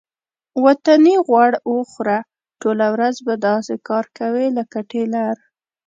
وطني غوړ وخوره ټوله ورځ به داسې کار کوې لکه ټېلر.